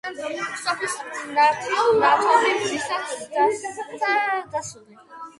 სოფლისა მნათი მნათობი მზისაცა დასთა დასული